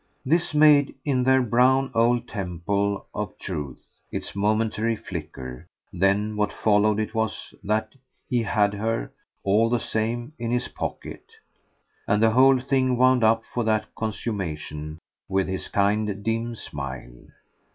This made, in their brown old temple of truth, its momentary flicker; then what followed it was that he had her, all the same, in his pocket; and the whole thing wound up for that consummation with his kind dim smile.